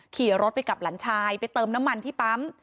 ขี่รถไปกับหลานชายไปเติมน้ำมันที่ปั๊ม